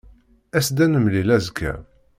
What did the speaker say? As-d ad nemlil azekka.